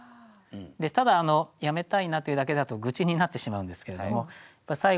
でただ「やめたいな」というだけだと愚痴になってしまうんですけれども最後が「落花飛花」。